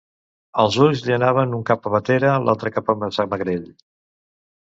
Els ulls li anaven un cap a Bétera, l'altre cap a Massamagrell.